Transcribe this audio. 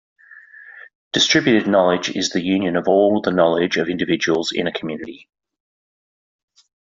Distributed knowledge is the union of all the knowledge of individuals in a community.